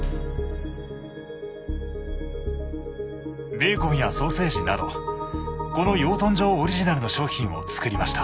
ベーコンやソーセージなどこの養豚場オリジナルの商品をつくりました。